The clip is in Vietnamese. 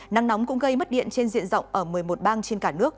nắng nóng cũng gây mất điện trên diện rộng ở một mươi một bang trên cả nước